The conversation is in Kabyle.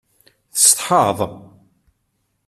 Tessetḥaḍ?